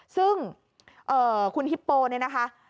ซึ่งคุณฮิปโปเนี่ยนะคะ